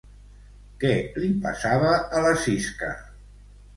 Què li passava a la Sisca?